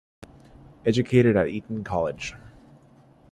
Educated at Eton College.